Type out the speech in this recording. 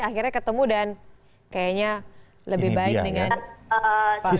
akhirnya ketemu dan kayaknya lebih baik dengan pak jokowi